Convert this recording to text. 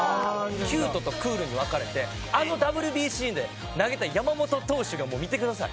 キュートとクールに分かれてあのＷＢＣで投げた山本投手がもう見てください。